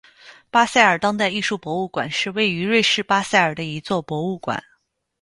巴塞尔当代艺术博物馆是位于瑞士巴塞尔的一座博物馆。